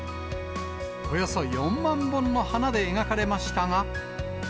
およそ４万本の花で描かれましたが。